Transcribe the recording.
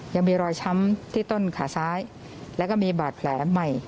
ยังมีรอยช้ำที่ต้นขาซ้ายแล้วก็มีบาดแผลใหม่